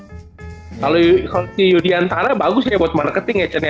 kalau si yudhiantara bagus ya buat marketing ya ceng ya